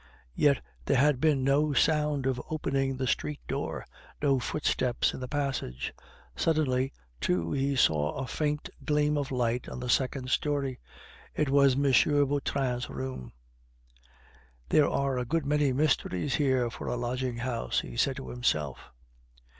Yet there had been no sound of opening the street door, no footsteps in the passage. Suddenly, too, he saw a faint gleam of light on the second story; it came from M. Vautrin's room. "There are a good many mysteries here for a lodging house!" he said to himself.